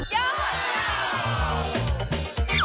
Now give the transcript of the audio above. ยอด